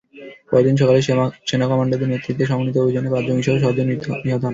পরদিন সকালে সেনা কমান্ডোদের নেতৃত্বে সমন্বিত অভিযানে পাঁচ জঙ্গিসহ ছয়জন নিহত হন।